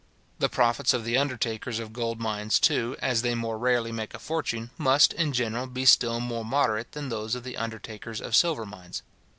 The profits of the undertakers of gold mines, too, as they more rarely make a fortune, must, in general, be still more moderate than those of the undertakers of silver mines.